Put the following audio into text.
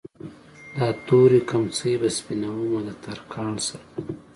دا تورې کمڅۍ به سپينومه د ترکان سره